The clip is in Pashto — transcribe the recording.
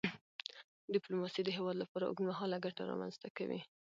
ډیپلوماسي د هیواد لپاره اوږدمهاله ګټه رامنځته کوي.